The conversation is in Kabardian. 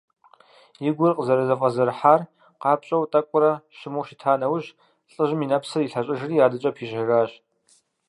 И гур къызэрызэфӀэзэрыхьар къапщӀэу, тӀэкӀурэ щыму щыта нэужь, лӀыжьым и нэпсыр илъэщӀыжри, адэкӀэ пищэжащ.